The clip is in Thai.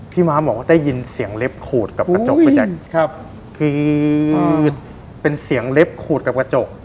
ม้าบอกว่าได้ยินเสียงเล็บขูดกับกระจกพี่แจ๊คครับคือเป็นเสียงเล็บขูดกับกระจก